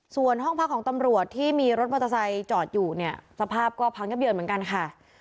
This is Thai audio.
ส่วนห้องพักของตำรวจที่มีรถมอเตอร์ไซค์จอดอยู่เนี่ยสภาพก็พังยับเยินเหมือนกันค่ะ